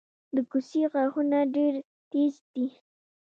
د کوسې غاښونه ډیر تېز دي